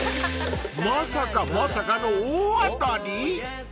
［まさかまさかの大当たり！？］